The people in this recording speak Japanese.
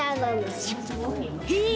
へえ！